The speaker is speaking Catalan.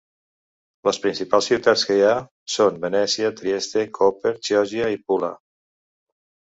Les principals ciutats que hi ha són Venècia, Trieste, Koper, Chioggia i Pula.